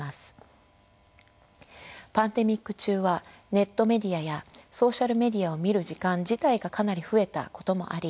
パンデミック中はネットメディアやソーシャルメディアを見る時間自体がかなり増えたこともあり